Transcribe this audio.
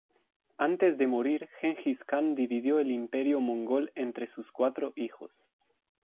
Antes de morir, Gengis Kan dividió el Imperio mongol entre sus cuatro hijos.